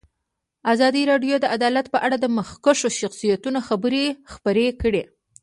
ازادي راډیو د عدالت په اړه د مخکښو شخصیتونو خبرې خپرې کړي.